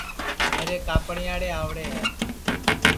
میرے کاپڑیئاڑے آؤرے ہے